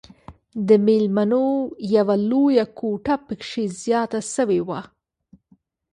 د ميلمنو يوه لويه کوټه پکښې زياته سوې وه.